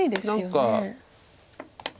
何か。